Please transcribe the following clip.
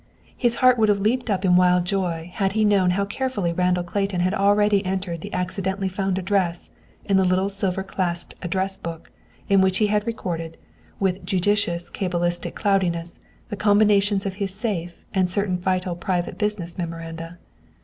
His heart would have leaped up in a wild joy had he known how carefully Randall Clayton had already entered the accidentally found address in the little silver clasped address book, in which he had recorded, with judicious cabalistic cloudiness, the combinations of his safes and certain vital private business memoranda.